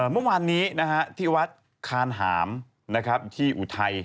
เมื่อวานนี้ที่วัดคานหามที่อุทัย